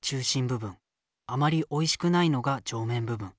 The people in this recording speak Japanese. あまりおいしくないのが上面部分。